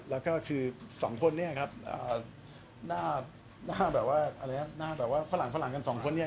แล้วก็คือสองคนเนี่ยครับหน้าแบบว่าอะไรครับหน้าแบบว่าฝรั่งฝรั่งกันสองคนเนี่ย